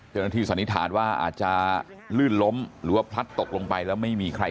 จนที่สันนิษฐานว่าอาจจะลื้นล้ม